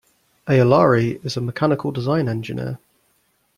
Aolari is a mechanical design engineer.